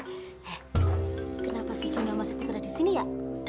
eh kenapa sih guna sama steve ada di sini ya